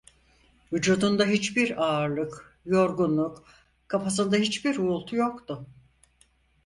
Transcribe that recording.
Vücudunda hiçbir ağırlık, yorgunluk, kafasında hiçbir uğultu yoktu.